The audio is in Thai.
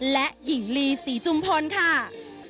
และหญิงลีศรีจุมพลค่ะ